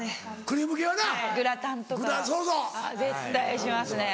グラタンとか絶対しますね。